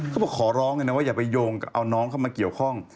ขอร้องเลยนะว่าอย่าไปโยงเอาน้องเข้ามาเกี่ยวข้อง